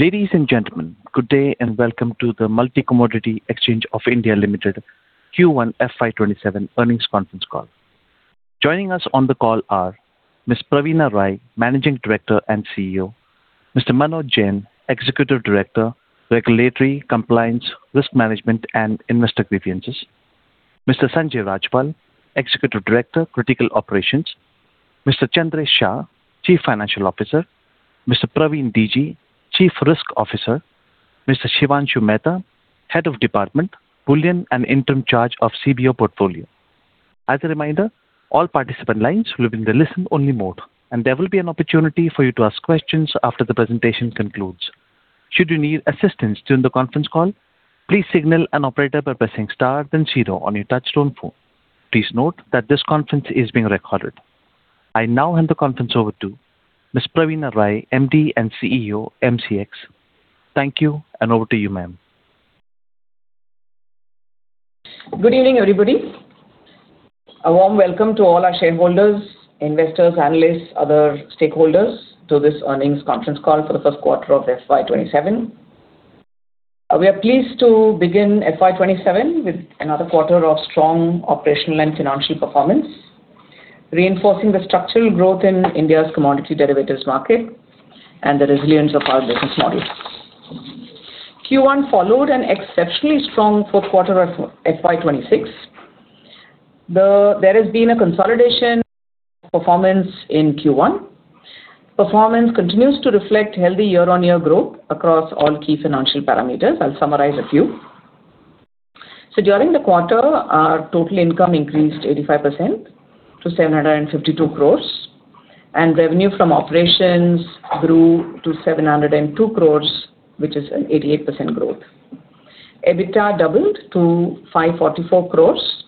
Ladies and gentlemen, good day and welcome to the Multi Commodity Exchange of India Ltd Q1 FY 2027 earnings conference call. Joining us on the call are Ms. Praveena Rai, Managing Director and CEO; Mr. Manoj Jain, Executive Director, Regulatory Compliance, Risk Management, and Investor Grievances; Mr. Sanjay Rajpal, Executive Director, Critical Operations; Mr. Chandresh Shah, Chief Financial Officer; Mr. Praveen DG, Chief Risk Officer; Mr. Shivanshu Mehta, Head of Department, Bullion and Interim Charge of CBO Portfolio. As a reminder, all participant lines will be in the listen only mode, and there will be an opportunity for you to ask questions after the presentation concludes. Should you need assistance during the conference call, please signal an operator by pressing star then zero on your touchtone phone. Please note that this conference is being recorded. I now hand the conference over to Ms. Praveena Rai, MD and CEO, MCX. Thank you, over to you, ma'am. Good evening, everybody. A warm welcome to all our shareholders, investors, analysts, other stakeholders to this earnings conference call for the first quarter of FY 2027. We are pleased to begin FY 2027 with another quarter of strong operational and financial performance, reinforcing the structural growth in India's commodity derivatives market and the resilience of our business model. Q1 followed an exceptionally strong fourth quarter of FY 2026. There has been a consolidation performance in Q1. Performance continues to reflect healthy year-on-year growth across all key financial parameters. I'll summarize a few. During the quarter, our total income increased 85% to 752 crores, revenue from operations grew to 702 crores, which is an 88% growth. EBITDA doubled to 544 crores,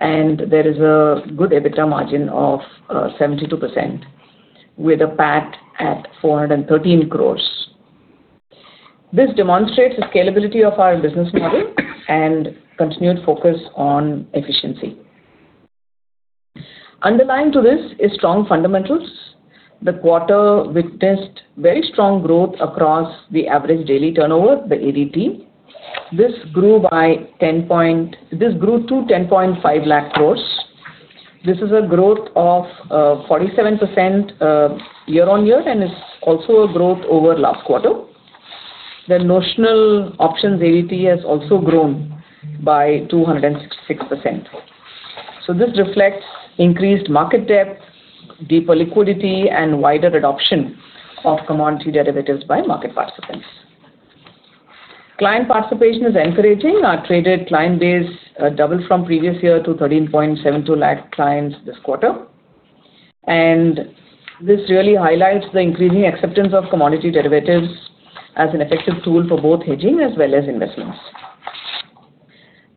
there is a good EBITDA margin of 72%, with a PAT at 413 crores. This demonstrates the scalability of our business model and continued focus on efficiency. Underlying to this is strong fundamentals. The quarter witnessed very strong growth across the average daily turnover, the ADT. This grew to 10.5 lakh crores. This is a growth of 47% year-on-year, it's also a growth over last quarter. The notional options ADT has also grown by 266%. This reflects increased market depth, deeper liquidity, and wider adoption of commodity derivatives by market participants. Client participation is encouraging. Our traded client base doubled from previous year to 13.72 lakh clients this quarter. This really highlights the increasing acceptance of commodity derivatives as an effective tool for both hedging as well as investments.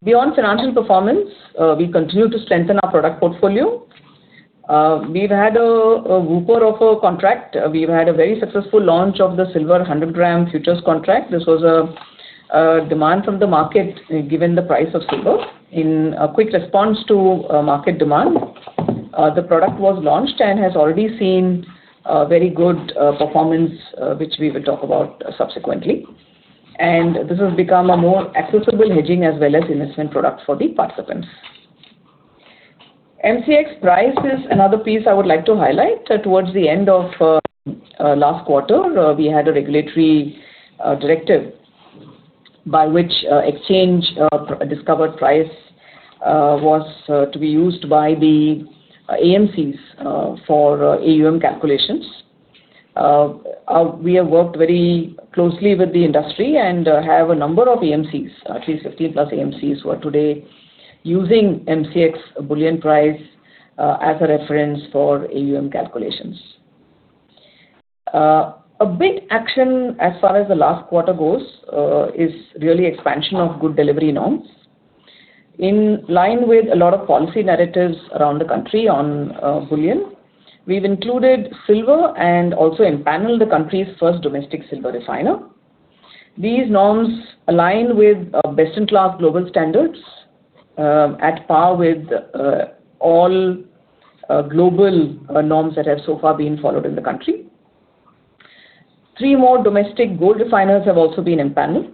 Beyond financial performance, we continue to strengthen our product portfolio. We've had a whopper of a contract. We've had a very successful launch of the silver 100 g futures contract. This was a demand from the market, given the price of silver. In a quick response to market demand, the product was launched and has already seen very good performance, which we will talk about subsequently. This has become a more accessible hedging as well as investment product for the participants. MCX price is another piece I would like to highlight. Towards the end of last quarter, we had a regulatory directive by which exchange discovered price was to be used by the AMCs for AUM calculations. We have worked very closely with the industry and have a number of AMCs. At least 50+ AMCs who are today using MCX bullion price as a reference for AUM calculations. A big action as far as the last quarter goes is really expansion of good delivery norms. In line with a lot of policy narratives around the country on bullion, we've included silver and also empaneled the country's first domestic silver refiner. These norms align with best-in-class global standards, at par with all global norms that have so far been followed in the country. Three more domestic gold refiners have also been empaneled,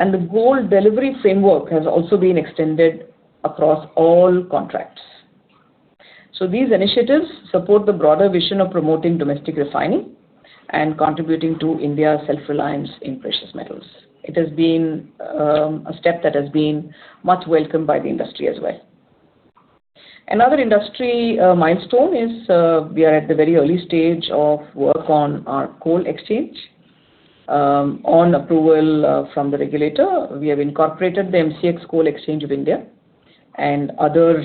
and the gold delivery framework has also been extended across all contracts. These initiatives support the broader vision of promoting domestic refining and contributing to India's self-reliance in precious metals. It has been a step that has been much welcomed by the industry as well. Another industry milestone is we are at the very early stage of work on our coal exchange. On approval from the regulator, we have incorporated the MCX Coal Exchange of India, and other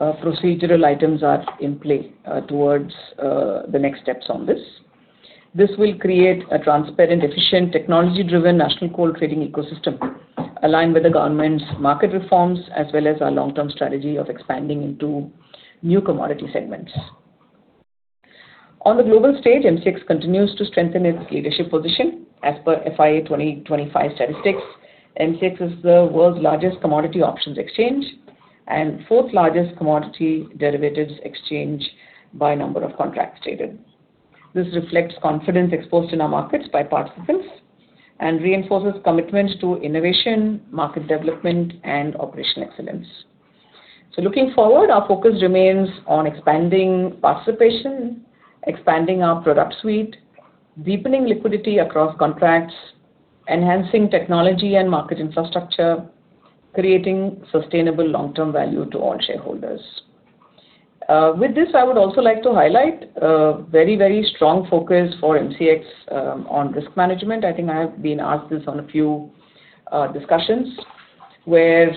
procedural items are in play towards the next steps on this. This will create a transparent, efficient, technology-driven national coal trading ecosystem aligned with the government's market reforms as well as our long-term strategy of expanding into new commodity segments. On the global stage, MCX continues to strengthen its leadership position. As per FY 2025 statistics, MCX is the world's largest commodity options exchange and fourth largest commodity derivatives exchange by number of contracts traded. This reflects confidence exposed in our markets by participants and reinforces commitment to innovation, market development, and operation excellence. Looking forward, our focus remains on expanding participation, expanding our product suite, deepening liquidity across contracts, enhancing technology and market infrastructure, creating sustainable long-term value to all shareholders. With this, I would also like to highlight a very strong focus for MCX on risk management. I think I have been asked this on a few discussions where,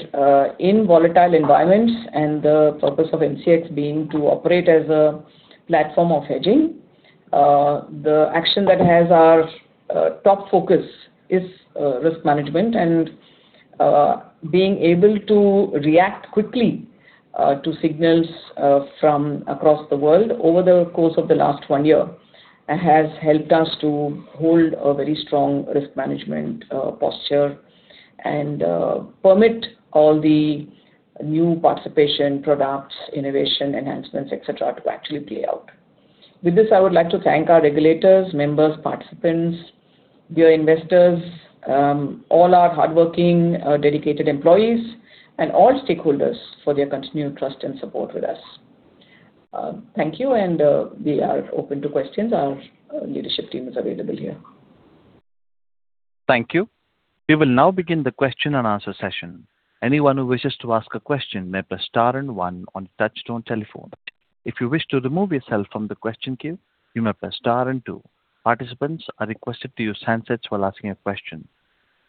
in volatile environments and the purpose of MCX being to operate as a platform of hedging, the action that has our top focus is risk management and being able to react quickly to signals from across the world over the course of the last one year. It has helped us to hold a very strong risk management posture and permit all the new participation products, innovation enhancements, et cetera, to actually play out. With this, I would like to thank our regulators, members, participants, dear investors, all our hardworking, dedicated employees, and all stakeholders for their continued trust and support with us. Thank you, and we are open to questions. Our leadership team is available here. Thank you. We will now begin the question and answer session. Anyone who wishes to ask a question may press star and one on touchtone telephone. If you wish to remove yourself from the question queue, you may press star and two. Participants are requested to use handsets while asking a question.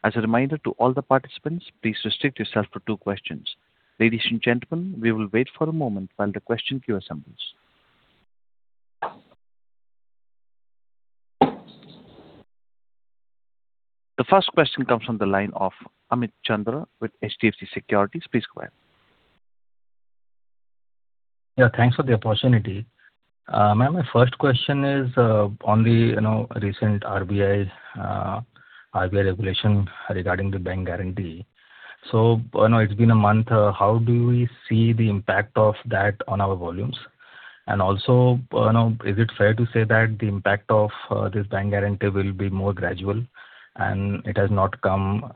As a reminder to all the participants, please restrict yourself to two questions. Ladies and gentlemen, we will wait for a moment while the question queue assembles. The first question comes from the line of Amit Chandra with HDFC Securities. Please go ahead. Thanks for the opportunity. Ma'am, my first question is on the recent RBI regulation regarding the bank guarantee. I know it's been a month. How do we see the impact of that on our volumes? Also, is it fair to say that the impact of this bank guarantee will be more gradual? It has not come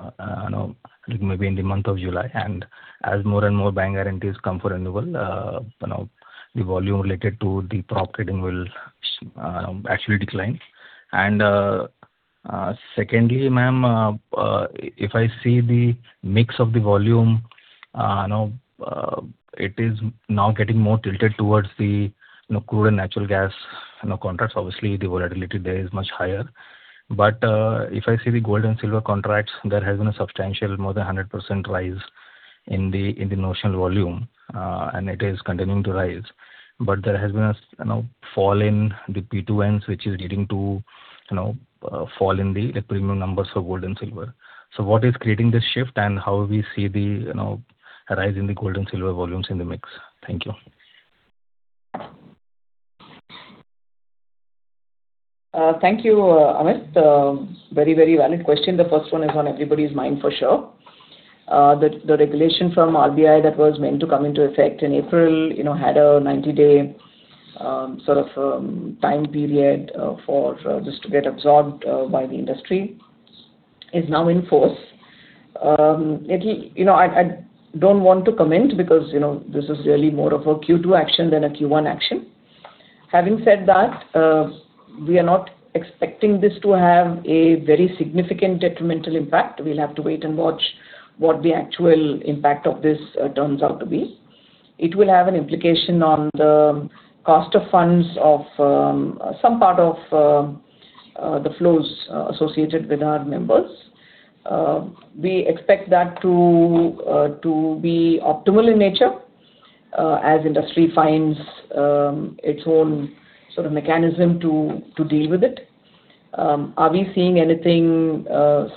maybe in the month of July, and as more and more bank guarantees come for renewal, the volume related to the profit trading will actually decline. Secondly, ma'am, if I see the mix of the volume, it is now getting more tilted towards the crude and natural gas contracts. Obviously, the volatility there is much higher. If I see the gold and silver contracts, there has been a substantial, more than 100% rise in the notional volume, and it is continuing to rise. There has been a fall in the premiums, which is leading to a fall in the premium numbers for gold and silver. What is creating this shift and how we see the rise in the gold and silver volumes in the mix? Thank you. Thank you, Amit. Very valid question. The first one is on everybody's mind for sure. The regulation from RBI that was meant to come into effect in April had a 90-day sort of time period for this to get absorbed by the industry. It's now in force. I don't want to comment because this is really more of a Q2 action than a Q1 action. Having said that, we are not expecting this to have a very significant detrimental impact. We'll have to wait and watch what the actual impact of this turns out to be. It will have an implication on the cost of funds of some part of the flows associated with our members. We expect that to be optimal in nature as industry finds its own sort of mechanism to deal with it. Are we seeing anything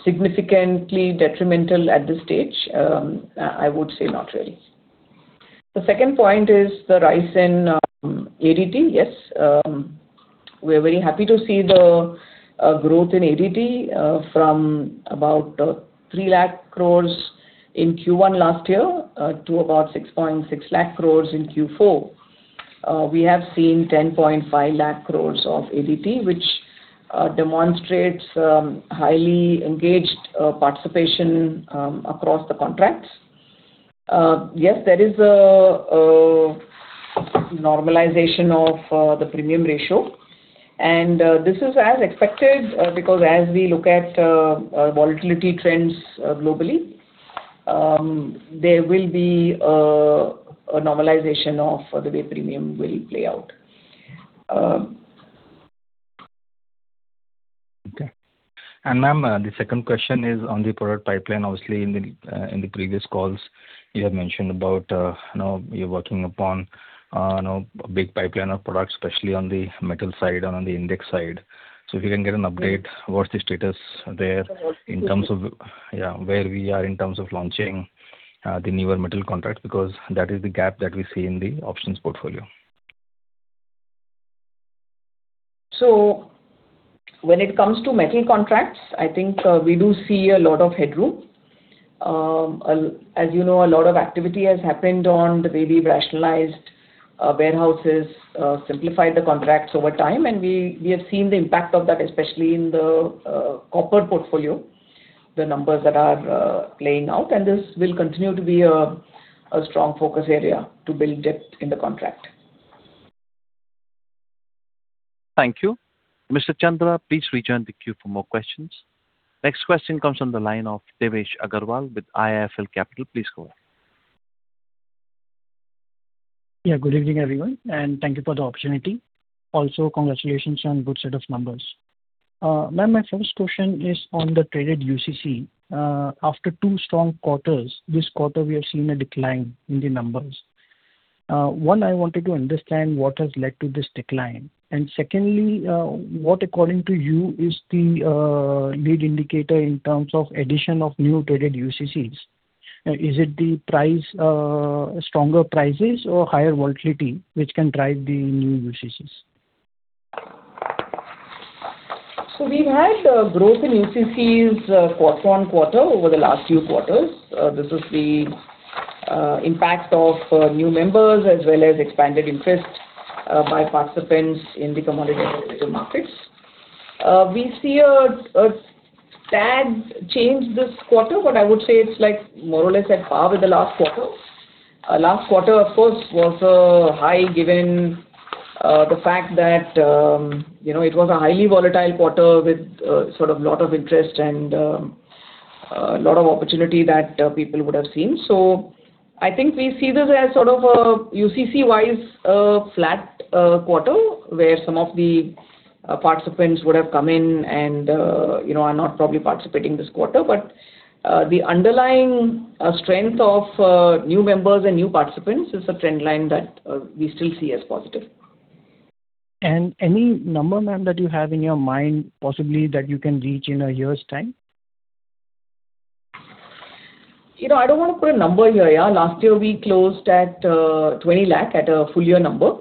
significantly detrimental at this stage? I would say not really. The second point is the rise in ADT. Yes, we are very happy to see the growth in ADT from about 3 lakh crores in Q1 last year to about 6.6 lakh crores in Q4. We have seen 10.5 lakh crores of ADT, which demonstrates highly engaged participation across the contracts. Yes, there is a normalization of the premium ratio, and this is as expected because as we look at volatility trends globally, there will be a normalization of the way premium will play out. Okay. Ma'am, the second question is on the product pipeline. Obviously, in the previous calls you have mentioned about you are working upon a big pipeline of products, especially on the metal side and on the index side. If you can get an update, what is the status there in terms of where we are in terms of launching the newer metal contracts? Because that is the gap that we see in the options portfolio. When it comes to metal contracts, I think we do see a lot of headroom. As you know, a lot of activity has happened on the way we have rationalized warehouses, simplified the contracts over time, and we have seen the impact of that, especially in the copper portfolio, the numbers that are playing out. This will continue to be a strong focus area to build depth in the contract. Thank you. Mr. Chandra, please rejoin the queue for more questions. Next question comes on the line of Devesh Agarwal with IIFL Capital. Please go ahead. Yeah. Good evening, everyone, and thank you for the opportunity. Also, congratulations on good set of numbers. Ma'am, my first question is on the traded UCC. After two strong quarters, this quarter we have seen a decline in the numbers. One, I wanted to understand what has led to this decline. Secondly, what according to you is the lead indicator in terms of addition of new traded UCCs? Is it the stronger prices or higher volatility which can drive the new UCCs? We've had growth in UCCs on quarter over the last few quarters. This is the impact of new members as well as expanded interest by participants in the commodity derivative markets. We see a tad change this quarter, but I would say it's more or less at par with the last quarter. Last quarter, of course, was high given the fact that it was a highly volatile quarter with sort of lot of interest and lot of opportunity that people would have seen. I think we see this as sort of a UCC-wise flat quarter where some of the participants would have come in and are not probably participating this quarter. The underlying strength of new members and new participants is a trend line that we still see as positive. Any number, ma'am, that you have in your mind possibly that you can reach in a year's time? I don't want to put a number here. Last year we closed at 20 lakh at a full year number,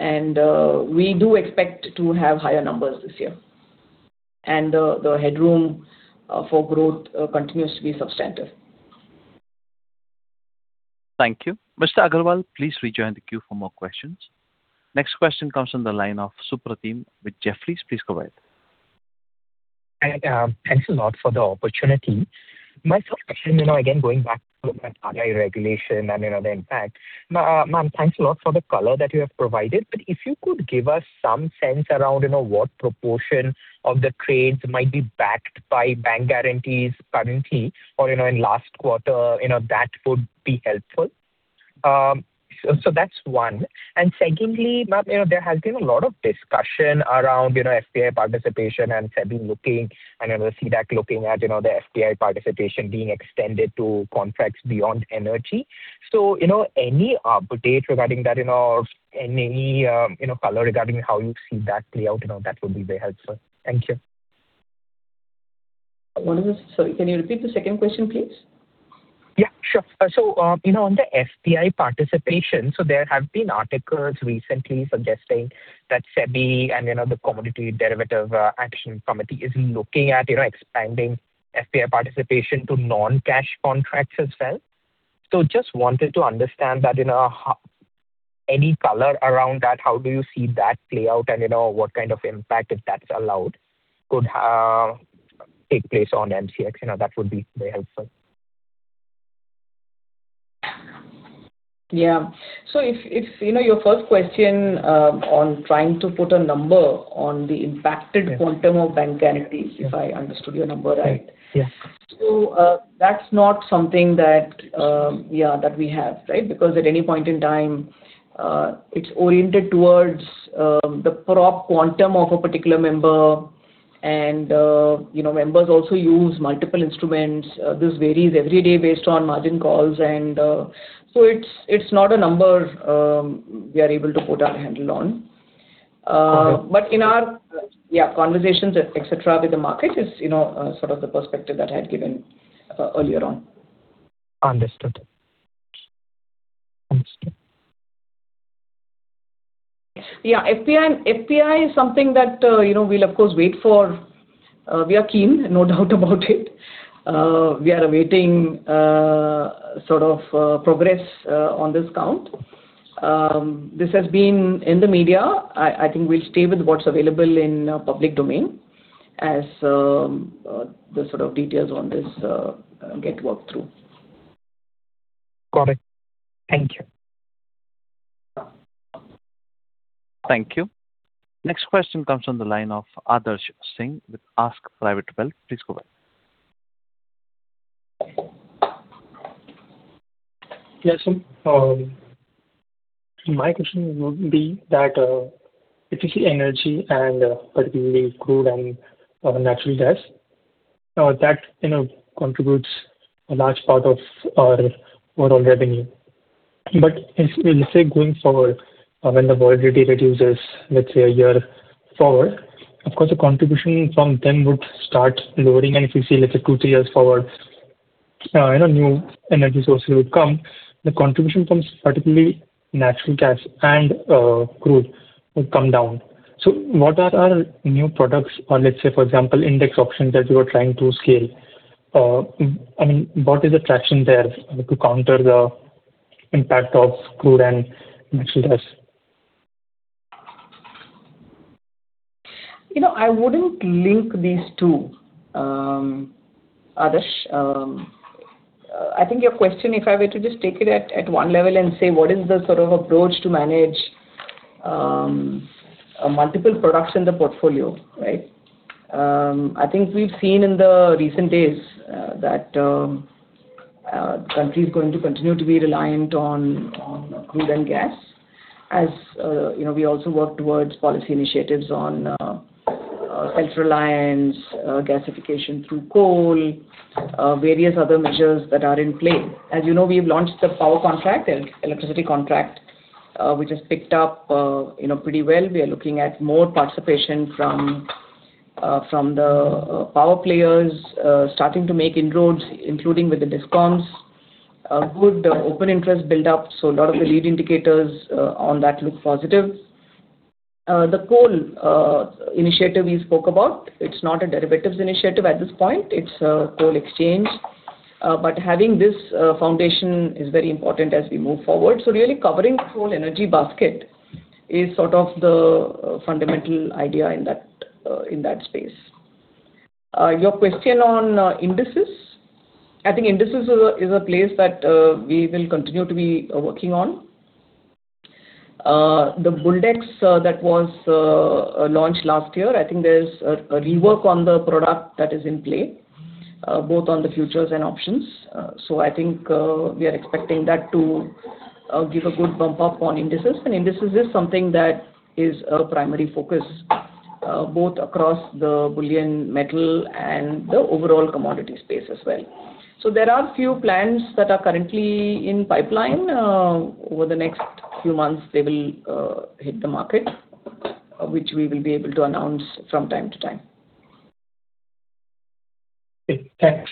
we do expect to have higher numbers this year. The headroom for growth continues to be substantive. Thank you. Mr. Agarwal, please rejoin the queue for more questions. Next question comes from the line of Supratim with Jefferies. Please go ahead. Thanks a lot for the opportunity. My first question, again, going back to look at RBI regulation and the impact. Ma'am, thanks a lot for the color that you have provided. If you could give us some sense around what proportion of the trades might be backed by bank guarantees currently or in last quarter, that would be helpful. That's one. Secondly, ma'am, there has been a lot of discussion around FPI participation and SEBI looking and the CDAC looking at the FPI participation being extended to contracts beyond energy. Any update regarding that at all? Any color regarding how you see that play out, that would be very helpful. Thank you. Sorry, can you repeat the second question, please? Yeah, sure. On the FPI participation, so there have been articles recently suggesting that SEBI and the Commodity Derivatives Advisory Committee is looking at expanding FPI participation to non-cash contracts as well. Just wanted to understand that. Any color around that? How do you see that play out and what kind of impact, if that's allowed, could take place on MCX? That would be very helpful. Your first question on trying to put a number on the impacted quantum of bank guarantees, if I understood your number right? Yes. That's not something that we have because at any point in time, it's oriented towards the prop quantum of a particular member, and members also use multiple instruments. This varies every day based on margin calls, it's not a number we are able to put our handle on. In our conversations, etc., with the market is sort of the perspective that I had given earlier on. Understood. FPI is something that we'll of course wait for. We are keen, no doubt about it. We are awaiting sort of progress on this count. This has been in the media. I think we'll stay with what's available in public domain as the sort of details on this get worked through. Got it. Thank you. Thank you. Next question comes on the line of Adarsh Singh with ASK Private Wealth. Please go ahead. Yes. My question would be that if you see energy and particularly crude and natural gas, that contributes a large part of our overall revenue. Let's say going forward, when the volatility reduces, let's say a year forward, of course the contribution from them would start lowering. If you see, let's say two, three years forward I know new energy sources will come. The contribution from particularly natural gas and crude will come down. What are our new products, or let's say, for example, index options that you are trying to scale? What is the traction there to counter the impact of crude and natural gas? I wouldn't link these two, Adarsh. I think your question, if I were to just take it at one level and say, what is the sort of approach to manage multiple products in the portfolio, right? I think we've seen in the recent days that country is going to continue to be reliant on crude and gas. As we also work towards policy initiatives on self-reliance, gasification through coal, various other measures that are in play. As you know, we've launched the power contract, electricity contract which has picked up pretty well. We are looking at more participation from the power players starting to make inroads, including with the discoms. A good open interest build-up, a lot of the lead indicators on that look positive. The coal initiative we spoke about, it's not a derivatives initiative at this point, it's a coal exchange. Having this foundation is very important as we move forward. Really covering the whole energy basket is sort of the fundamental idea in that space. Your question on indices. I think indices is a place that we will continue to be working on. The BULLDEX that was launched last year, I think there's a rework on the product that is in play both on the futures and options. I think we are expecting that to give a good bump up on indices. Indices is something that is a primary focus both across the bullion metal and the overall commodity space as well. There are few plans that are currently in pipeline. Over the next few months, they will hit the market, which we will be able to announce from time to time. Okay, thanks.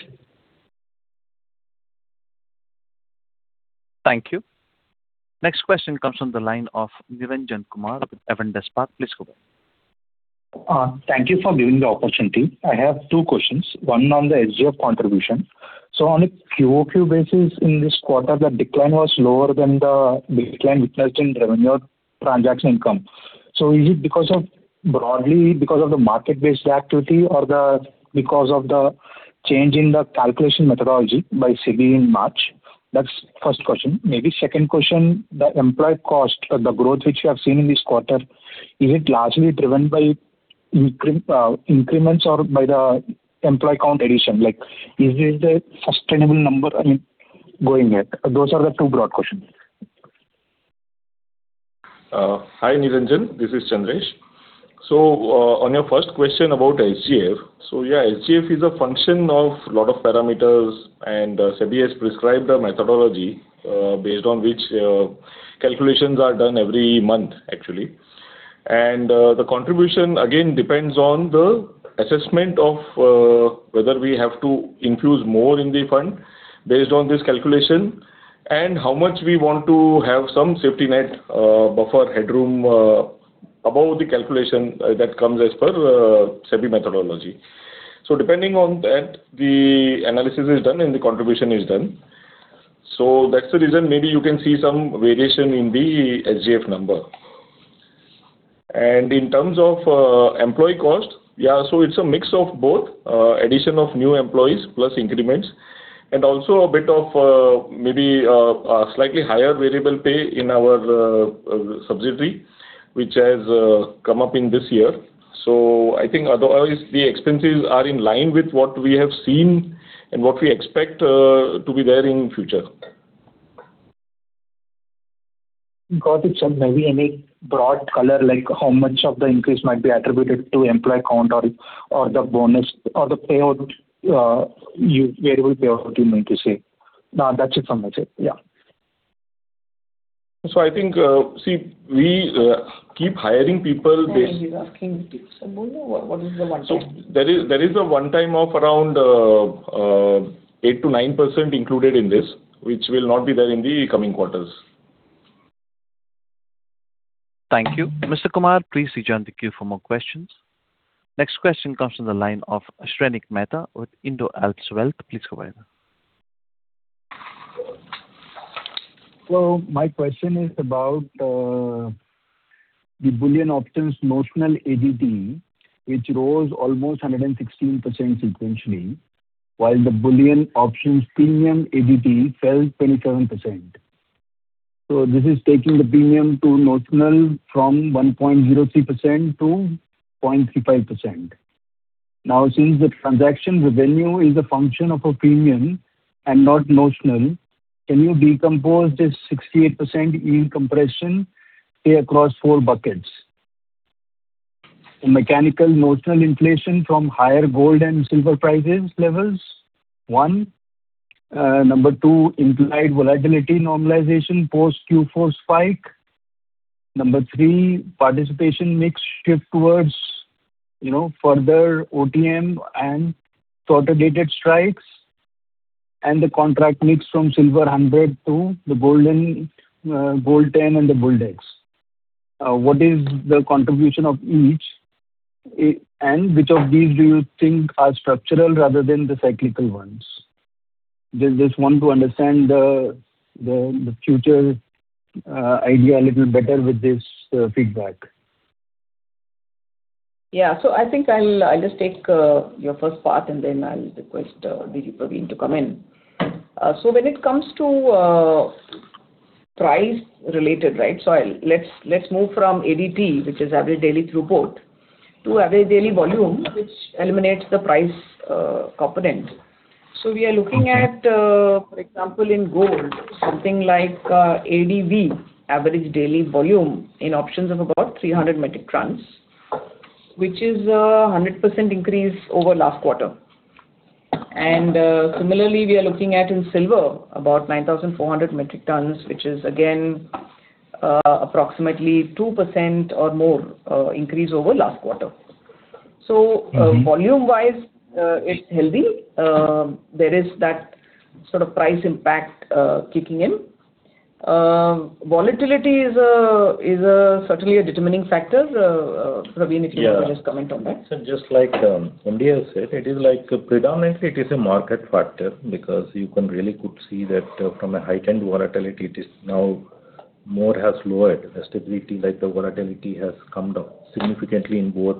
Thank you. Next question comes from the line of Niranjan Kumar with Avendus Spark. Please go ahead. Thank you for giving the opportunity. I have two questions, one on the HDF contribution. On a quarter-over-quarter basis in this quarter, the decline was lower than the decline witnessed in revenue transaction income. Is it broadly because of the market-based activity or because of the change in the calculation methodology by SEBI in March? That's first question. Maybe second question, the employee cost or the growth which you have seen in this quarter, is it largely driven by increments or by the employee count addition? Is this the sustainable number going yet? Those are the two broad questions. Hi, Niranjan. This is Chandresh. On your first question about HDF. Yeah, HDF is a function of a lot of parameters, and SEBI has prescribed a methodology based on which calculations are done every month, actually. The contribution again depends on the assessment of whether we have to infuse more in the fund based on this calculation and how much we want to have some safety net buffer headroom above the calculation that comes as per SEBI methodology. Depending on that, the analysis is done, and the contribution is done. That's the reason maybe you can see some variation in the HDF number. In terms of employee cost, yeah, it's a mix of both addition of new employees plus increments and also a bit of maybe a slightly higher variable pay in our subsidiary, which has come up in this year. I think otherwise the expenses are in line with what we have seen and what we expect to be there in future. Got it, sir. Maybe any broad color, like how much of the increase might be attributed to employee count or the bonus or the variable payout you meant to say. That's it from my side. Yeah. I think, see, we keep hiring people. No, he's asking what is the one time. There is a one time of around 8%-9% included in this, which will not be there in the coming quarters. Thank you. Mr. Kumar, please rejoin the queue for more questions. Next question comes from the line of Shrenik Mehta with Indo Alps Wealth. Please go ahead. My question is about the bullion options notional ADT, which rose almost 116% sequentially, while the bullion options premium ADT fell 27%. This is taking the premium to notional from 1.03%-0.35%. Since the transaction revenue is a function of a premium and not notional, can you decompose this 68% yield compression pay across four buckets? A mechanical notional inflation from higher gold and silver prices levels, one. Number two, implied volatility normalization post Q4 spike. Number three, participation mix shift towards further OTM and shorter dated strikes, and the contract mix from Silver 100 to the Gold Ten and the Gold X. What is the contribution of each, and which of these do you think are structural rather than the cyclical ones? I just want to understand the future idea a little better with this feedback. Yeah. I think I'll just take your first part, and then I'll request Praveen to come in. When it comes to price related, right? Let's move from ADT, which is Average Daily Throughput, to Average Daily Volume, which eliminates the price component. We are looking at, for example, in gold, something like ADV, Average Daily Volume, in options of about 300 metric tons, which is 100% increase over last quarter. Similarly, we are looking at in silver about 9,400 metric tons, which is again approximately 2% or more increase over last quarter. Volume wise, it's healthy. There is that price impact kicking in. Volatility is certainly a determining factor. Praveen, if you want to just comment on that. Just like Chandresh has said, predominantly it is a market factor because you can really could see that from a heightened volatility it is now more has lowered. The stability, like the volatility, has come down significantly in both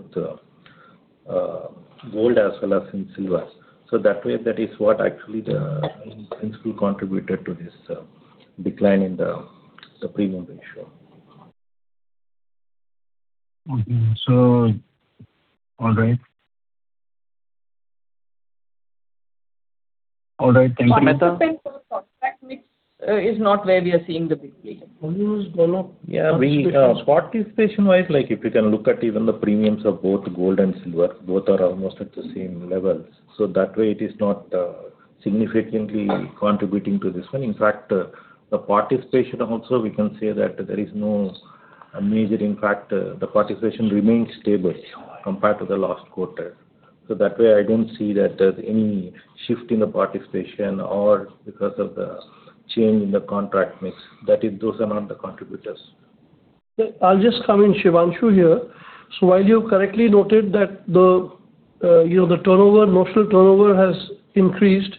gold as well as in silver. That way that is what actually the principal contributed to this decline in the premium ratio. All right. Thank you. Contract mix is not where we are seeing the big Yeah. Spot participation wise, if you can look at even the premiums of both gold and silver, both are almost at the same levels. That way it is not significantly contributing to this one. In fact, the participation also we can say that there is no major impact. The participation remains stable compared to the last quarter. That way I don't see that there's any shift in the participation or because of the change in the contract mix, that those are not the contributors. I'll just come in, Shivanshu, here. While you correctly noted that the notional turnover has increased,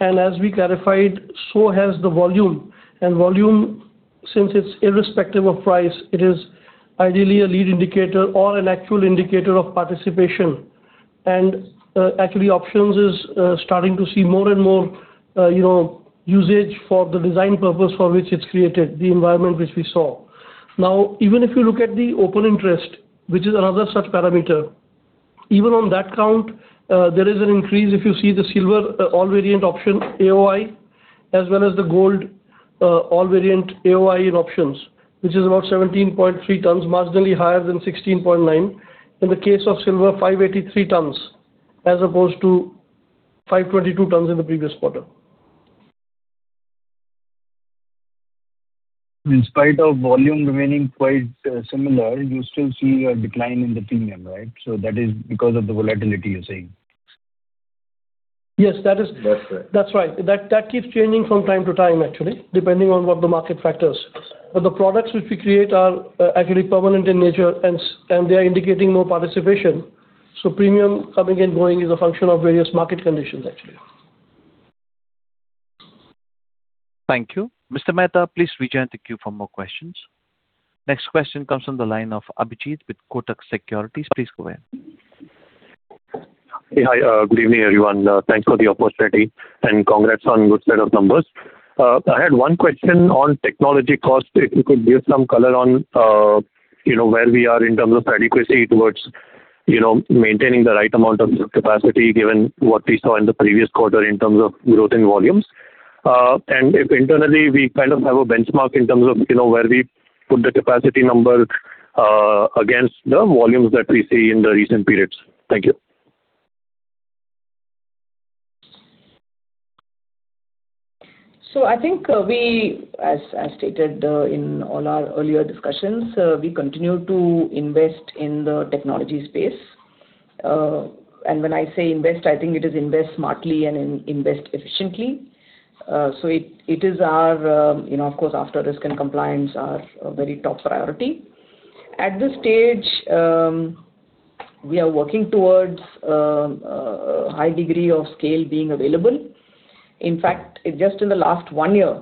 and as we clarified, so has the volume. Volume, since it's irrespective of price, it is ideally a lead indicator or an actual indicator of participation. Actually, options is starting to see more and more usage for the design purpose for which it's created, the environment which we saw. Now, even if you look at the open interest, which is another such parameter, even on that count, there is an increase if you see the silver all variant option, AOI, as well as the gold all variant AOI in options, which is about 17.3 tons, marginally higher than 16.9 tons. In the case of silver, 583 tons, as opposed to 522 tons in the previous quarter. In spite of volume remaining quite similar, you still see a decline in the premium, right? That is because of the volatility you're saying. Yes, that is. That's right. That's right. That keeps changing from time to time actually, depending on what the market factors. The products which we create are actually permanent in nature, and they are indicating more participation. Premium coming and going is a function of various market conditions actually. Thank you. Mr. Mehta, please rejoin the queue for more questions. Next question comes from the line of Abhijit with Kotak Securities. Please go ahead. Hi. Good evening, everyone. Thanks for the opportunity, and congrats on good set of numbers. I had one question on technology cost. If you could give some color on where we are in terms of adequacy towards maintaining the right amount of capacity given what we saw in the previous quarter in terms of growth in volumes. If internally we kind of have a benchmark in terms of where we put the capacity number against the volumes that we see in the recent periods. Thank you. I think as stated in all our earlier discussions, we continue to invest in the technology space. When I say invest, I think it is invest smartly and invest efficiently. It is our, of course after risk and compliance, our very top priority. At this stage, we are working towards a high degree of scale being available. In fact, just in the last one year,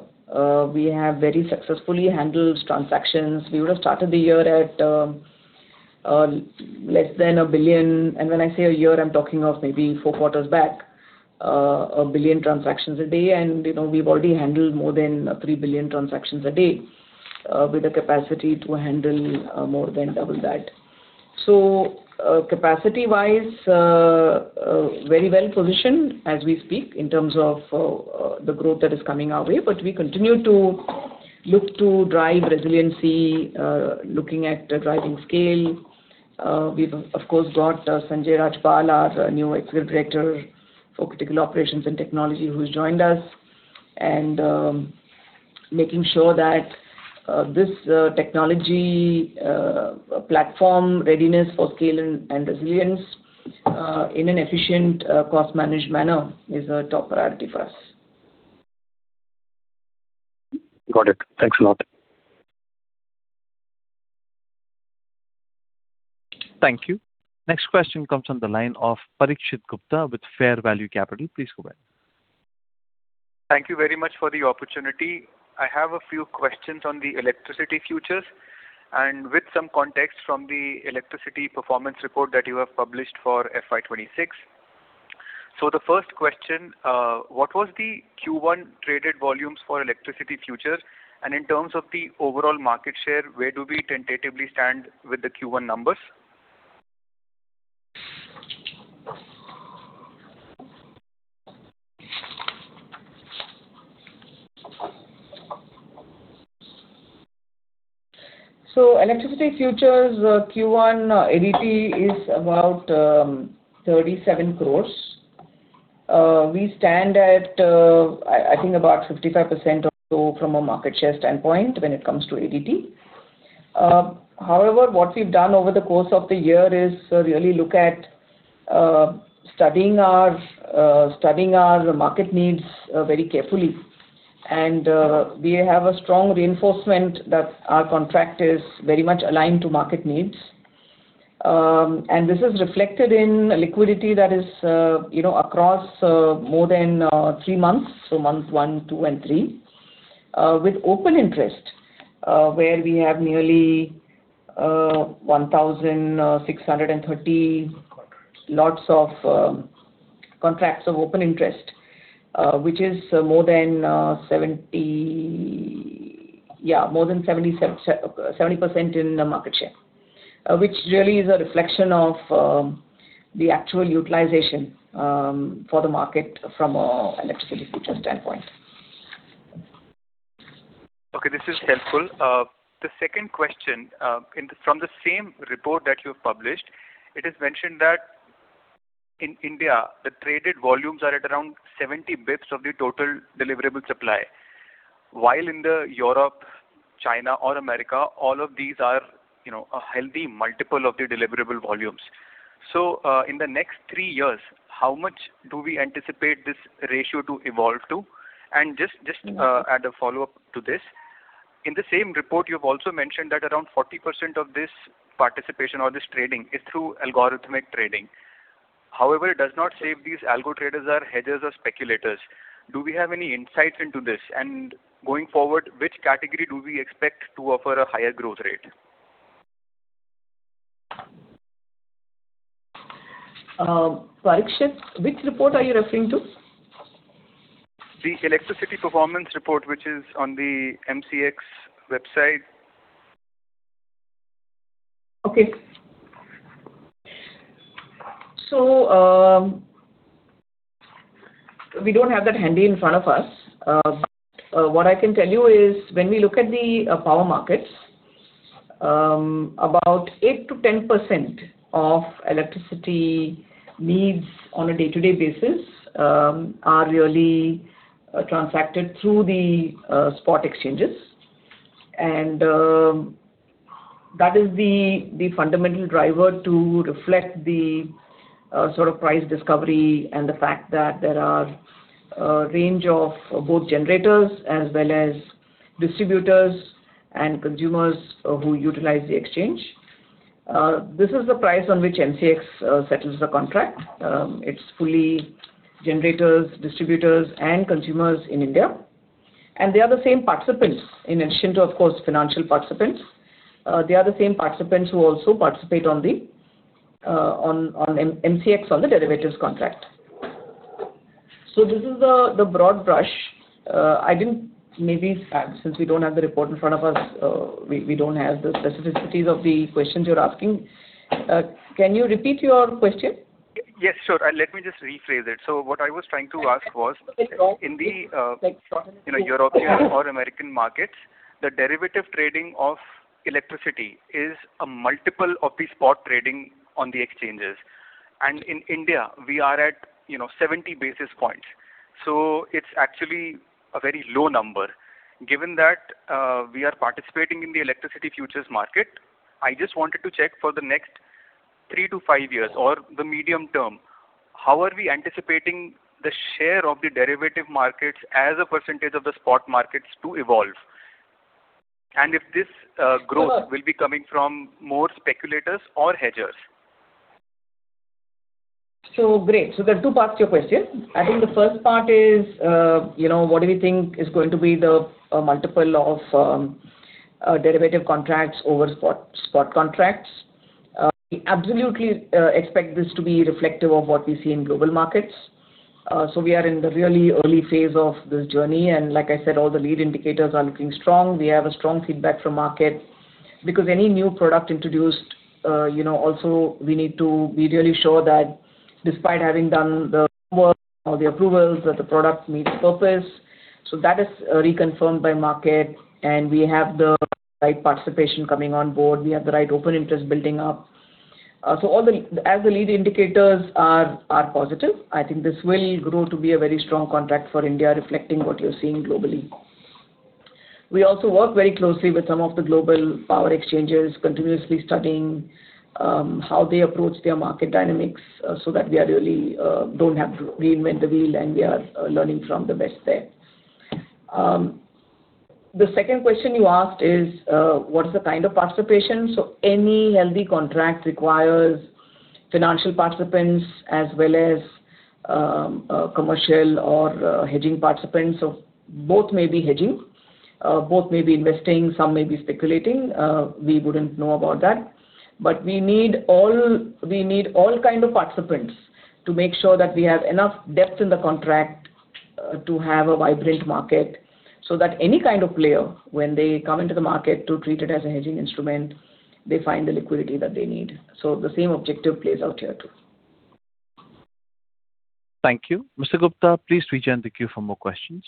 we have very successfully handled transactions. We would have started the year at less than a billion. When I say a year, I'm talking of maybe four quarters back, a billion transactions a day. We've already handled more than 3 billion transactions a day, with the capacity to handle more than double that. Capacity-wise, very well positioned as we speak in terms of the growth that is coming our way. We continue to look to drive resiliency, looking at driving scale. We've of course got Sanjay Rajpal, our new Executive Director for Critical Operations and Technology who's joined us. Making sure that this technology platform readiness for scale and resilience in an efficient cost managed manner is a top priority for us. Got it. Thanks a lot. Thank you. Next question comes on the line of Parikshit Gupta with Fair Value Capital. Please go ahead. Thank you very much for the opportunity. I have a few questions on the Electricity Performance Report that you have published for FY 2026. The first question, what was the Q1 traded volumes for electricity futures? In terms of the overall market share, where do we tentatively stand with the Q1 numbers? Electricity futures Q1 ADT is about 37 crores. We stand at, I think about 55% or so from a market share standpoint when it comes to ADT. However, what we've done over the course of the year is really look at studying our market needs very carefully. We have a strong reinforcement that our contract is very much aligned to market needs. This is reflected in liquidity that is across more than three months, so month one, two, and three, with open interest, where we have nearly 1,630 lots of contracts of open interest, which is more than 70% in the market share, which really is a reflection of the actual utilization for the market from a electricity future standpoint. Okay. This is helpful. The second question, from the same report that you've published, it is mentioned that in India, the traded volumes are at around 70 basis points of the total deliverable supply, while in the Europe, China or America, all of these are a healthy multiple of the deliverable volumes. In the next three years, how much do we anticipate this ratio to evolve to? Just add a follow-up to this. In the same report, you've also mentioned that around 40% of this participation or this trading is through algorithmic trading. However, it does not say if these algo traders are hedgers or speculators. Do we have any insight into this? Going forward, which category do we expect to offer a higher growth rate? Parikshit, which report are you referring to? The Electricity Performance Report, which is on the MCX website. We don't have that handy in front of us. What I can tell you is when we look at the power markets, about 8%-10% of electricity needs on a day-to-day basis are really transacted through the spot exchanges. That is the fundamental driver to reflect the sort of price discovery and the fact that there are a range of both generators as well as distributors and consumers who utilize the exchange. This is the price on which MCX settles the contract. It's fully generators, distributors, and consumers in India. They are the same participants in addition to, of course, financial participants. They are the same participants who also participate on MCX on the derivatives contract. This is the broad brush. Maybe since we don't have the report in front of us, we don't have the specificities of the questions you're asking. Can you repeat your question? Yes, sure. Let me just rephrase it. What I was trying to ask was- in the European or American markets, the derivative trading of electricity is a multiple of the spot trading on the exchanges. In India, we are at 70 basis points. It's actually a very low number. Given that we are participating in the electricity futures market, I just wanted to check for the next three to five years or the medium term, how are we anticipating the share of the derivative markets as a percentage of the spot markets to evolve? If this growth will be coming from more speculators or hedgers. Great. There are two parts to your question. I think the first part is what do we think is going to be the multiple of derivative contracts over spot contracts. We absolutely expect this to be reflective of what we see in global markets. We are in the really early phase of this journey, and like I said, all the lead indicators are looking strong. We have a strong feedback from market. Any new product introduced, also we need to be really sure that despite having done the homework or the approvals, that the product meets purpose. That is reconfirmed by market, and we have the right participation coming on board. We have the right open interest building up. As the lead indicators are positive, I think this will grow to be a very strong contract for India, reflecting what you're seeing globally. We also work very closely with some of the global power exchanges, continuously studying how they approach their market dynamics so that we ideally don't have to reinvent the wheel, and we are learning from the best there. The second question you asked is what is the kind of participation. Any healthy contract requires financial participants as well as commercial or hedging participants. Both may be hedging, both may be investing, some may be speculating. We wouldn't know about that. We need all kind of participants to make sure that we have enough depth in the contract to have a vibrant market, so that any kind of player, when they come into the market to treat it as a hedging instrument, they find the liquidity that they need. The same objective plays out here too. Thank you. Mr. Gupta, please rejoin the queue for more questions.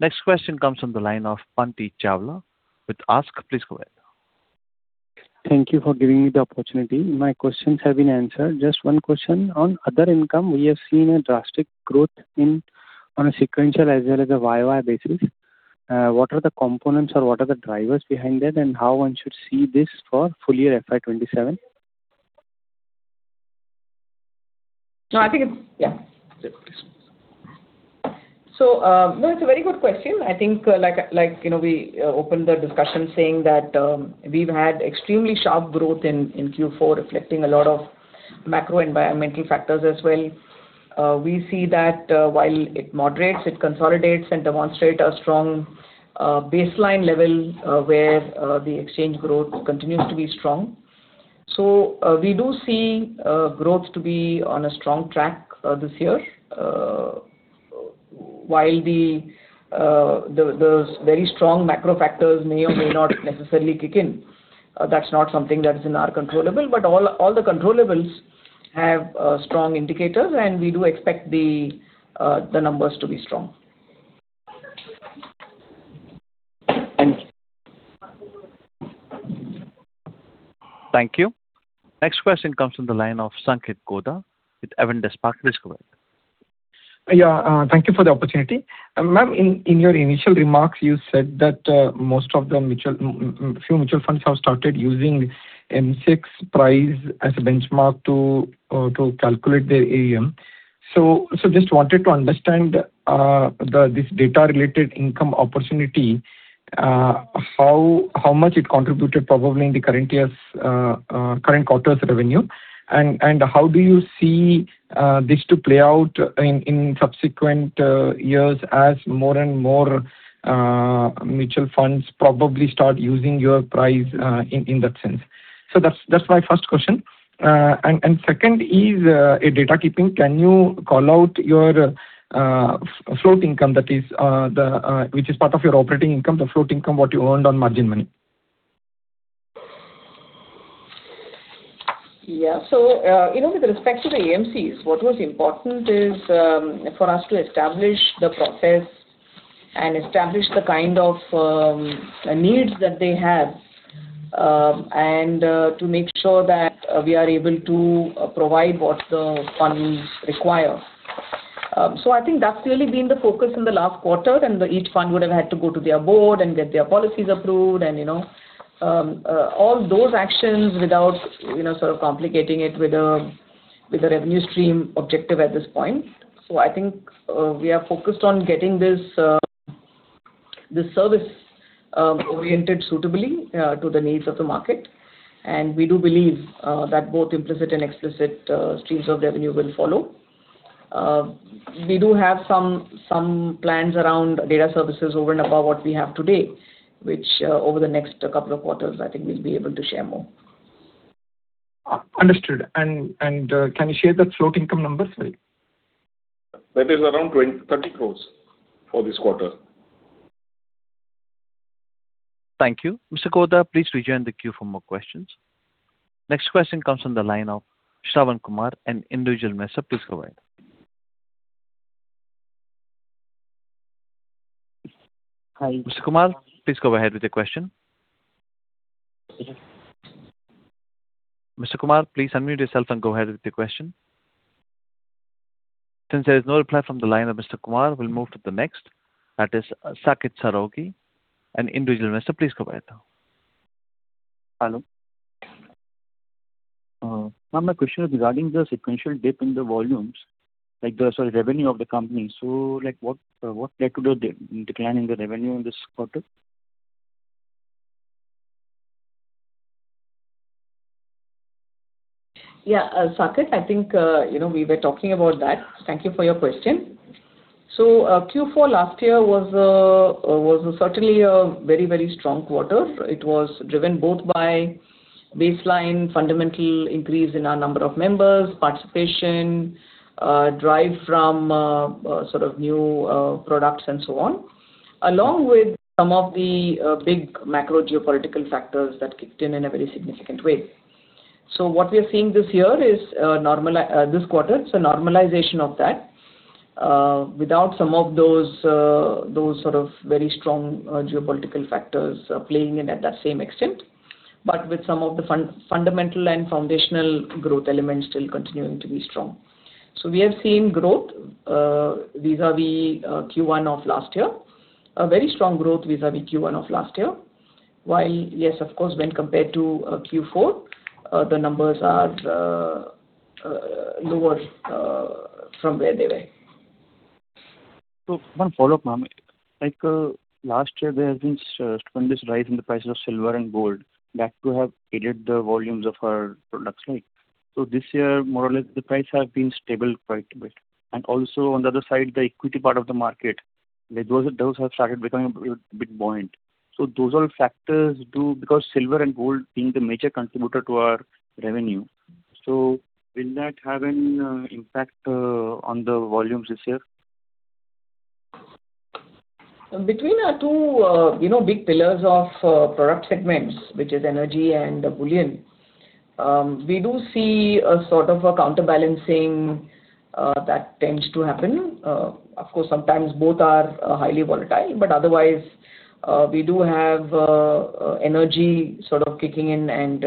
Next question comes from the line of [Pankti Chawla] with ASK. Please go ahead. Thank you for giving me the opportunity. My questions have been answered. Just one question on other income. We have seen a drastic growth on a sequential as well as a year-over-year basis. What are the components or what are the drivers behind that, and how one should see this for full year FY 2027? No, I think it's. No, it's a very good question. I think we opened the discussion saying that we've had extremely sharp growth in Q4, reflecting a lot of macro environmental factors as well. We see that while it moderates, it consolidates and demonstrates a strong baseline level where the exchange growth continues to be strong. We do see growth to be on a strong track this year. While those very strong macro factors may or may not necessarily kick in, that's not something that is in our controllable. All the controllables have strong indicators, and we do expect the numbers to be strong. Thank you. Thank you. Next question comes from the line of Sanketh Godha with Avendus. Please go ahead. Thank you for the opportunity. Ma'am, in your initial remarks, you said that few mutual funds have started using MCX price as a benchmark to calculate their AUM. Just wanted to understand this data related income opportunity, how much it contributed probably in the current quarter's revenue, and how do you see this to play out in subsequent years as more and more mutual funds probably start using your price in that sense? That's my first question. Second is a data keeping. Can you call out your float income, which is part of your operating income, the float income, what you earned on margin money? With respect to the AMCs, what was important is for us to establish the process and establish the kind of needs that they have and to make sure that we are able to provide what the funds require. I think that's really been the focus in the last quarter, each fund would have had to go to their board and get their policies approved and all those actions without complicating it with a revenue stream objective at this point. I think we are focused on getting this service oriented suitably to the needs of the market, we do believe that both implicit and explicit streams of revenue will follow. We do have some plans around data services over and above what we have today, which over the next couple of quarters, I think we'll be able to share more. Understood. Can you share that float income number, sorry? That is around 30 crores for this quarter. Thank you. Mr. Godha, please rejoin the queue for more questions. Next question comes from the line of Shravan Kumar, an individual investor. Please go ahead. Hi. Mr. Kumar, please go ahead with your question. Mr. Kumar, please unmute yourself and go ahead with your question. Since there is no reply from the line of Mr. Kumar, we'll move to the next. That is Saket Saraogi, an individual investor. Please go ahead now. Hello. Ma'am, my question is regarding the sequential dip in the volumes, sorry, revenue of the company. What led to the decline in the revenue in this quarter? Yeah. Saket, I think we were talking about that. Thank you for your question. Q4 last year was certainly a very strong quarter. It was driven both by baseline fundamental increase in our number of members, participation, drive from new products, and so on, along with some of the big macro geopolitical factors that kicked in in a very significant way. What we are seeing this quarter is a normalization of that. Without some of those very strong geopolitical factors playing in at that same extent, but with some of the fundamental and foundational growth elements still continuing to be strong. We have seen growth vis-a-vis Q1 of last year. A very strong growth vis-a-vis Q1 of last year. While yes, of course, when compared to Q4, the numbers are lower from where they were. One follow-up, ma'am. Last year there has been a tremendous rise in the prices of silver and gold. That too have aided the volumes of our products, right? This year, more or less, the price has been stable quite a bit. Also on the other side, the equity part of the market, those have started becoming a bit buoyant. Those are factors too because silver and gold being the major contributor to our revenue. Will that have an impact on the volumes this year? Between our two big pillars of product segments, which is energy and bullion, we do see a sort of a counterbalancing that tends to happen. Of course, sometimes both are highly volatile, but otherwise, we do have energy sort of kicking in and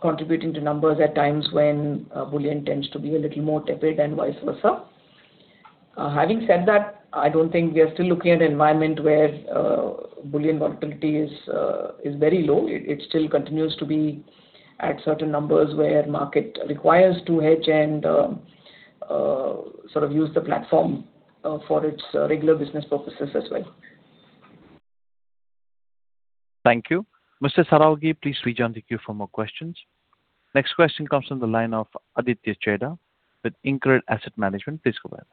contributing to numbers at times when bullion tends to be a little more tepid and vice versa. Having said that, I don't think we are still looking at an environment where bullion volatility is very low. It still continues to be at certain numbers where market requires to hedge and sort of use the platform for its regular business purposes as well. Thank you. Mr. Saraogi, please rejoin the queue for more questions. Next question comes from the line of Aditya Chheda with InCred Asset Management. Please go ahead.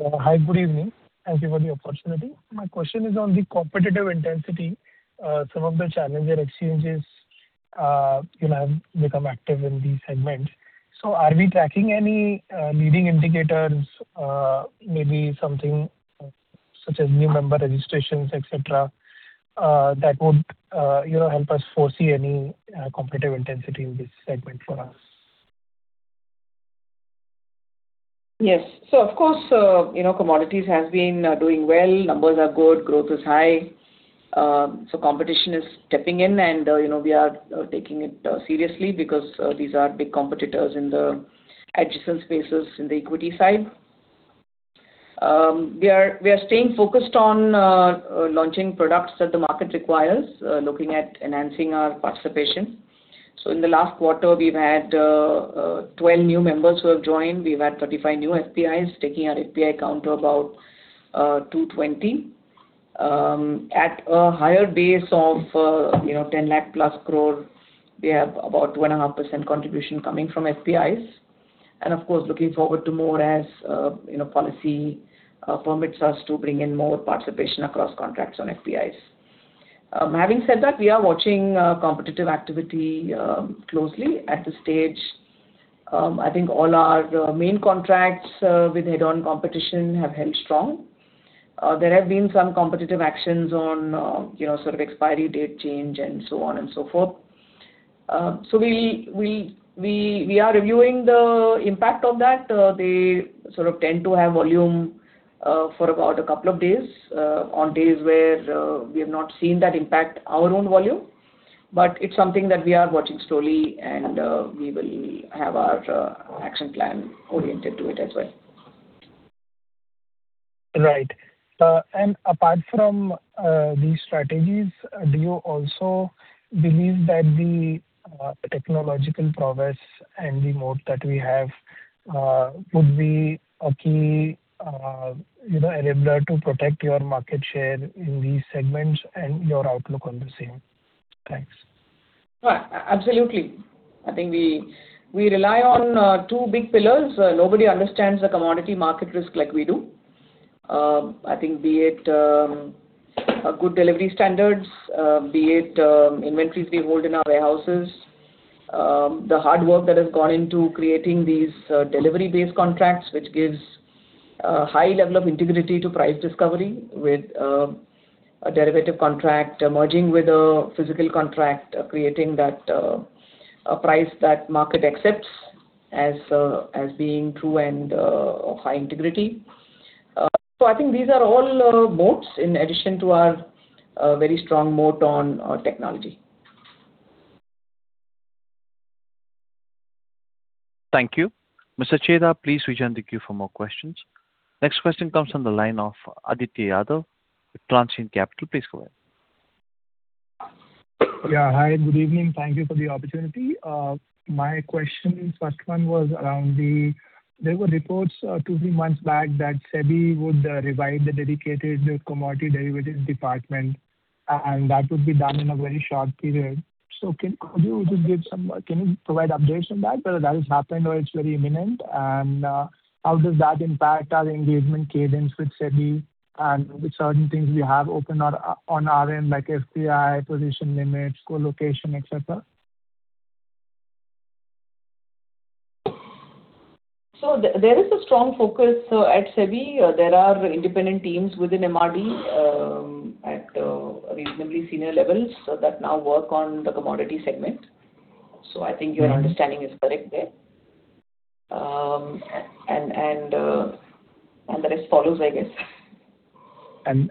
Hi, good evening. Thank you for the opportunity. My question is on the competitive intensity. Some of the challenger exchanges have become active in these segments. Are we tracking any leading indicators? Maybe something such as new member registrations, et cetera, that would help us foresee any competitive intensity in this segment for us. Yes. Of course, commodities have been doing well. Numbers are good, growth is high. Competition is stepping in and we are taking it seriously because these are big competitors in the adjacent spaces in the equity side. We are staying focused on launching products that the market requires, looking at enhancing our participation. In the last quarter, we've had 12 new members who have joined. We've had 35 new FPIs, taking our FPI count to about 220. At a higher base of 10 lakh+ crore, we have about 2.5% contribution coming from FPIs. Of course, looking forward to more as policy permits us to bring in more participation across contracts on FPIs. Having said that, we are watching competitive activity closely. At this stage, I think all our main contracts with head-on competition have held strong. There have been some competitive actions on sort of expiry date change and so on and so forth. We are reviewing the impact of that. They sort of tend to have volume for about a couple of days on days where we have not seen that impact our own volume. It's something that we are watching slowly, and we will have our action plan oriented to it as well. Right. Apart from these strategies, do you also believe that the technological progress and the moat that we have could be a key enabler to protect your market share in these segments and your outlook on the same? Thanks. Absolutely. I think we rely on two big pillars. Nobody understands the commodity market risk like we do. Be it good delivery standards, be it inventories we hold in our warehouses. The hard work that has gone into creating these delivery-based contracts, which gives a high level of integrity to price discovery with a derivative contract merging with a physical contract, creating a price that market accepts as being true and of high integrity. I think these are all moats in addition to our very strong moat on technology. Thank you. Mr. Chheda, please rejoin the queue for more questions. Next question comes from the line of Aditya Yadav with Transient Capital. Please go ahead. Hi, good evening. Thank you for the opportunity. My question, first one was around There were reports two, three months back that SEBI would revise the dedicated commodity derivatives department, and that would be done in a very short period. Can you provide updates on that, whether that has happened or it's very imminent? How does that impact our engagement cadence with SEBI and with certain things we have open on our end, like FPI, position limits, co-location, etc.? There is a strong focus at SEBI. There are independent teams within MRD at reasonably senior levels that now work on the commodity segment. I think your understanding is correct there. The rest follows, I guess.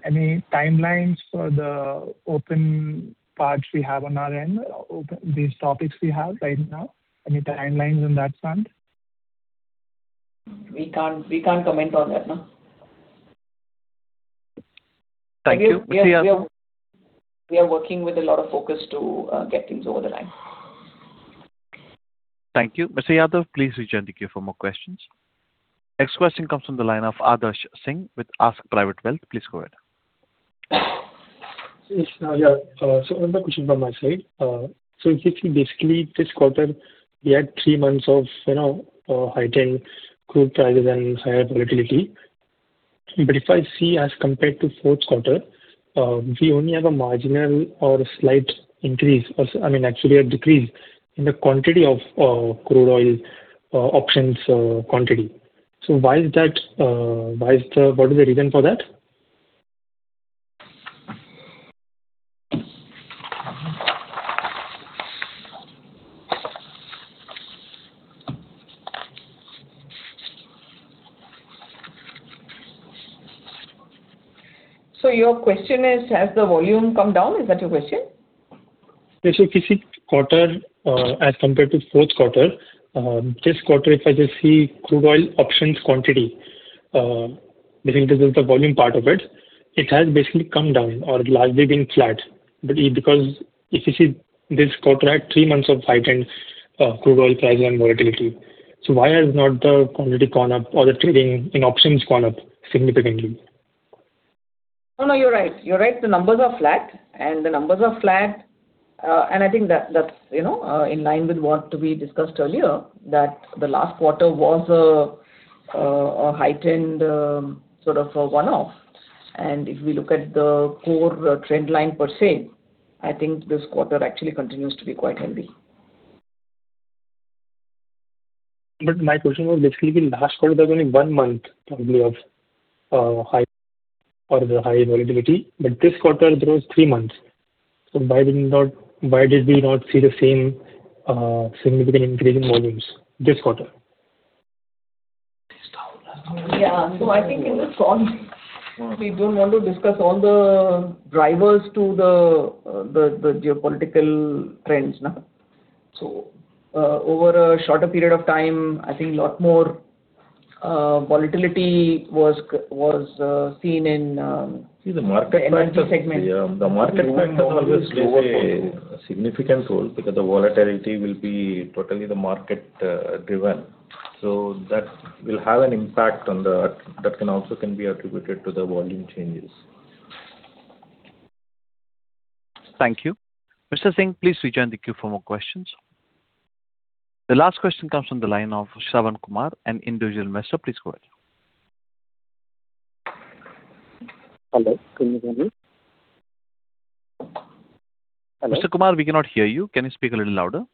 Any timelines for the open parts we have on our end, these topics we have right now, any timelines on that front? We can't comment on that. Thank you. We are working with a lot of focus to get things over the line. Thank you. Mr. Yadav, please rejoin the queue for more questions. Next question comes from the line of Adarsh Singh with Ask Private Wealth. Please go ahead. Yes. Another question from my side. If you see basically this quarter, we had three months of heightened crude prices and higher volatility. But if I see as compared to fourth quarter, we only have a marginal or slight increase, actually a decrease in the quantity of crude oil options. What is the reason for that? Your question is, has the volume come down? Is that your question? Yes. If you see quarter as compared to fourth quarter, this quarter, if I just see crude oil options quantity, I think this is the volume part of it. It has basically come down or largely been flat. Because if you see this quarter had three months of heightened crude oil prices and volatility. Why has not the quantity gone up or the trading in options gone up significantly? No, you're right. You're right. The numbers are flat, I think that's in line with what we discussed earlier, that the last quarter was a heightened sort of a one-off. If we look at the core trend line per se, I think this quarter actually continues to be quite healthy. My question was basically, last quarter there was only one month probably of the high volatility, this quarter it was three months. Why did we not see the same significant increase in volumes this quarter? Yeah. I think in this call we don't want to discuss all the drivers to the geopolitical trends. Over a shorter period of time, I think a lot more volatility was seen. See, the market factor. The energy segment. The market factor obviously plays a significant role because the volatility will be totally the market-driven. That will have an impact on that can also be attributed to the volume changes. Thank you. Mr. Singh, please rejoin the queue for more questions. The last question comes from the line of Shravan Kumar, an individual investor. Please go ahead. Hello, can you hear me? Hello. Mr. Kumar, we cannot hear you. Can you speak a little louder?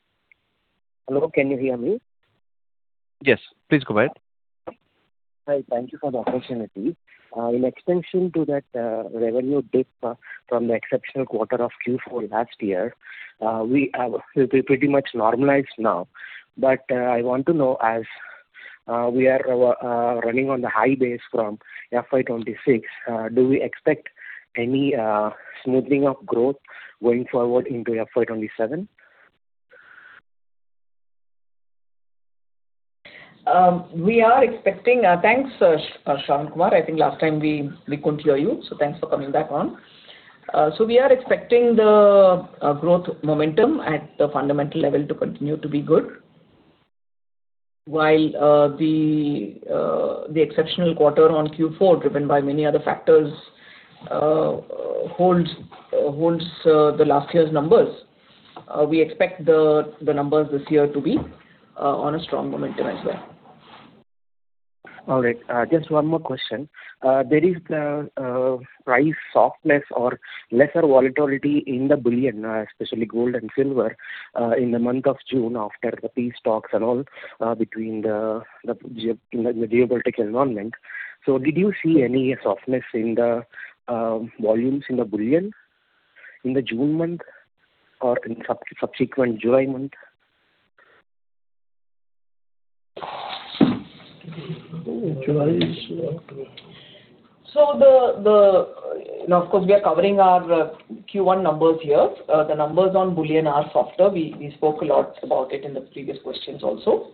Hello, can you hear me? Yes, please go ahead. Hi. Thank you for the opportunity. In extension to that revenue dip from the exceptional quarter of Q4 last year, we have pretty much normalized now. I want to know as we are running on the high base from FY 2026, do we expect any smoothing of growth going forward into FY 2027? Thanks, Shravan Kumar. I think last time we couldn't hear you, thanks for coming back on. We are expecting the growth momentum at the fundamental level to continue to be good, while the exceptional quarter on Q4 driven by many other factors holds the last year's numbers. We expect the numbers this year to be on a strong momentum as well. All right. Just one more question. There is the price softness or lesser volatility in the bullion, especially gold and silver, in the month of June after the peace talks and all between the geopolitical environment. Did you see any softness in the volumes in the bullion in the June month or in subsequent July month? Of course, we are covering our Q1 numbers here. The numbers on bullion are softer. We spoke a lot about it in the previous questions also.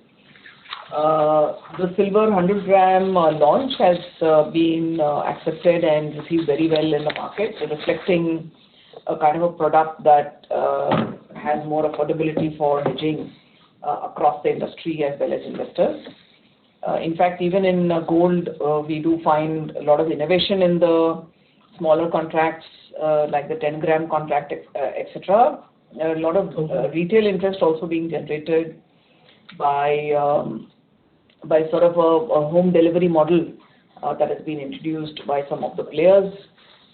The silver 100 g launch has been accepted and received very well in the market. It is reflecting a kind of a product that has more affordability for hedging across the industry as well as investors. In fact, even in gold, we do find a lot of innovation in the smaller contracts, like the 10 g contract, etc. A lot of retail interest also being generated by sort of a home delivery model that has been introduced by some of the players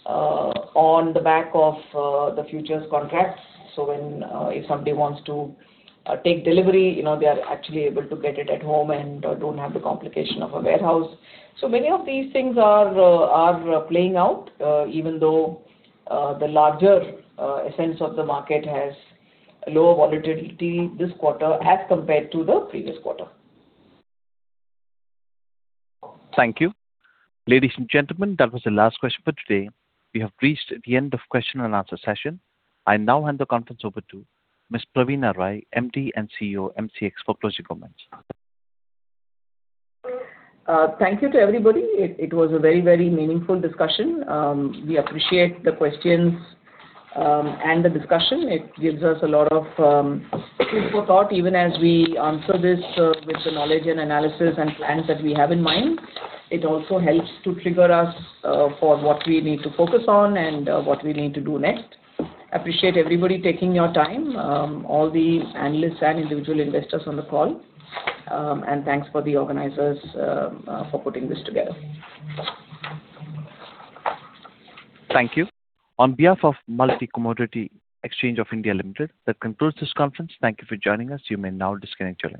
on the back of the futures contracts. If somebody wants to take delivery, they are actually able to get it at home and don't have the complication of a warehouse. Many of these things are playing out, even though the larger essence of the market has lower volatility this quarter as compared to the previous quarter. Thank you. Ladies and gentlemen, that was the last question for today. We have reached the end of question and answer session. I now hand the conference over to Ms. Praveena Rai, MD and CEO, MCX for closing comments. Thank you to everybody. It was a very meaningful discussion. We appreciate the questions and the discussion. It gives us a lot of food for thought even as we answer this with the knowledge and analysis and plans that we have in mind. It also helps to trigger us for what we need to focus on and what we need to do next. Appreciate everybody taking your time, all the analysts and individual investors on the call. Thanks for the organizers for putting this together. Thank you. On behalf of Multi Commodity Exchange of India Limited, that concludes this conference. Thank you for joining us. You may now disconnect your lines.